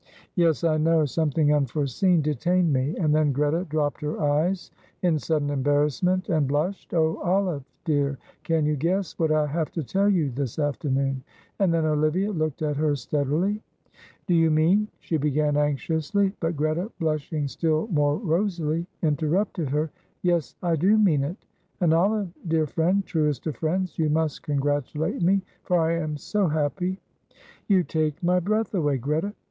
"Yes, I know; something unforeseen detained me," and then Greta dropped her eyes in sudden embarrassment and blushed. "Oh, Olive dear, can you guess what I have to tell you this afternoon?" and then Olivia looked at her steadily. "Do you mean," she began, anxiously but Greta, blushing still more rosily, interrupted her, "Yes, I do mean it; and, Olive, dear friend, truest of friends, you must congratulate me, for I am so happy." "You take my breath away, Greta.